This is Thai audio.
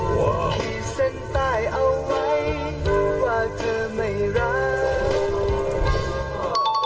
ขีดเส้นตายเอาไว้ว่าเธอไม่รัก